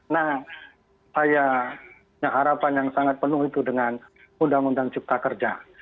nah saya punya harapan yang sangat penuh itu dengan undang undang cipta kerja